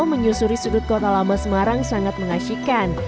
menyusuri sudut kota lama semarang sangat mengasihkan